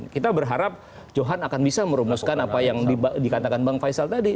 kita berharap johan akan bisa merumuskan apa yang dikatakan bang faisal tadi